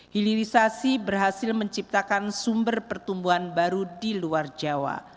hilirisasi berhasil menciptakan sumber pertumbuhan baru di luar jawa